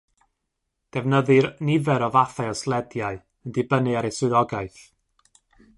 Defnyddir nifer o fathau o slediau, yn dibynnu ar eu swyddogaeth.